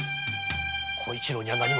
小一郎には何も言うな！